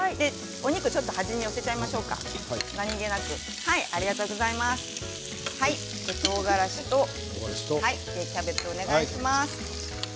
お肉を端に寄せちゃいましょうか、何気なくとうがらしとキャベツをお願いします。